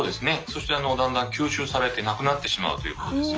そしてだんだん吸収されて無くなってしまうということですよね。